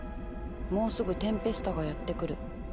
もうすぐテンペスタがやって来る。